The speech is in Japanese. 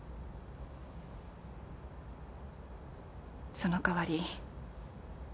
その代わり